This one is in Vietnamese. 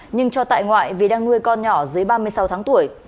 nhưng cho tại ngoại vì đang nuôi con nhỏ dưới ba mươi sáu tháng tuổi